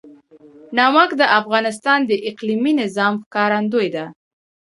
نمک د افغانستان د اقلیمي نظام ښکارندوی ده.